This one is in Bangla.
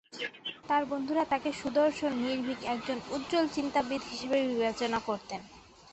তার বন্ধুরা তাকে "সুদর্শন, নির্ভীক, একজন উজ্জ্বল চিন্তাবিদ" হিসাবে বিবেচনা করেছিল।